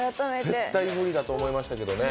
絶対無理だと思いましたけどね。